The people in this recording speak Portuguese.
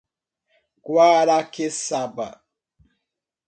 Guaraqueçaba